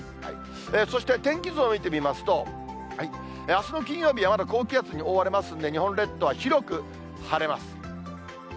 そして天気図を見てみますと、あすの金曜日は、まだ高気圧に覆われますので、日本列島は広く晴れます。